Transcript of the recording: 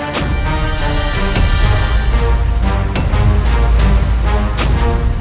tandanya sudah berhasil